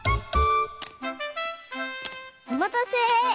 おまたせ！